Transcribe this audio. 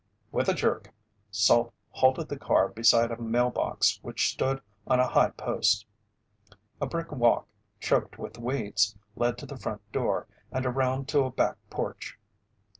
With a jerk, Salt halted the car beside a mailbox which stood on a high post. A brick walk, choked with weeds, led to the front door and around to a back porch.